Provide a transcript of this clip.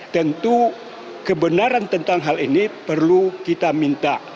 tentu kebenaran tentang hal ini perlu kita minta